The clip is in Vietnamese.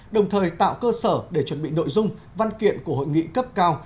đồng thời tạo cơ sở để chuẩn bị nội dung văn kiện của hội nghị cấp cao